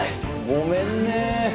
ごめんね。